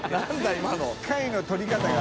１回の取り方が。